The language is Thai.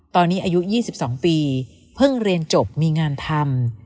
ตอนนี้อายุ๒๒ปีเพิ่งเรียนจบมีงานทำ